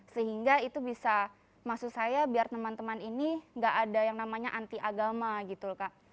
sehingga itu bisa maksud saya biar teman teman ini nggak ada yang namanya anti agama gitu loh kak